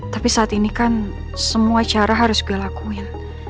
tapi saat ini kan semua cara harus gue lakuin